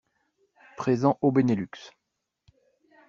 Présent au Benelux.